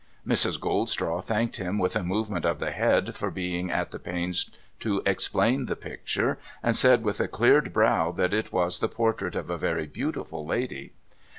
Mrs. Goldstraw thanked him with a movement of the head for being at the pains to explain the picture, and said, with a cleared brow, that it was the portrait of a very beautiful lady.